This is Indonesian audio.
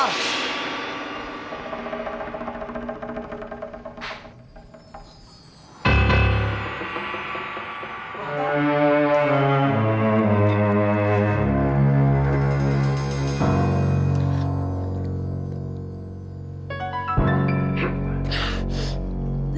jangan dimuntahin cepet abisin